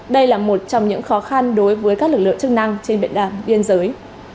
đây là một trong những khó khăn đối với các lực lượng chức năng trên biên đàm biên giới